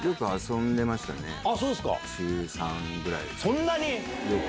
そんなに？